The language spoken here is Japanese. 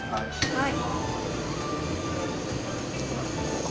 はい。